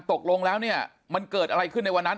ตกลงแล้วเนี่ยมันเกิดอะไรขึ้นในวันนั้น